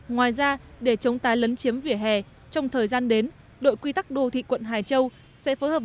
ngoài ra để chống tái lấn chiếm vỉa hè trong thời gian đến đội quy tắc đô thị quận hải châu sẽ phối hợp